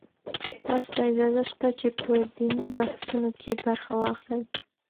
تاسو ته اجازه شته چې په دیني بحثونو کې برخه واخلئ.